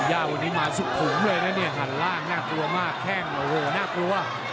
ย่าวันนี้มาสุขุมเลยนะเนี่ยหันล่างน่ากลัวมากแข้งโอ้โหน่ากลัว